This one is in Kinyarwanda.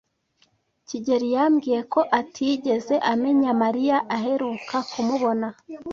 kigeli yambwiye ko atigeze amenya Mariya aheruka kumubona.